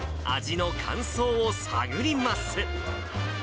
味の感想を探ります。